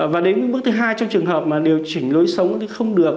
và đến bước thứ hai trong trường hợp mà điều chỉnh lối sống thì không được